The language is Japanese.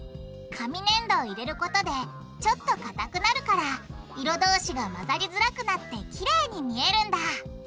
紙粘土を入れることでちょっとかたくなるから色同士が混ざりづらくなってきれいに見えるんだ！